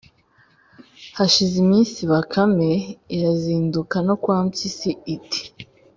Hashize iminsi, Bakame irazinduka no kwa Mpyisi iti